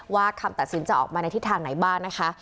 คำตัดสินจะออกมาในทิศทางไหนบ้างนะคะ